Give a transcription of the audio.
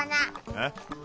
えっ？